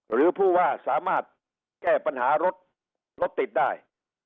หรือผู้ว่าสามารถแก้ปัญหารถรถติดได้